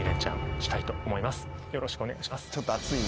よろしくお願いします。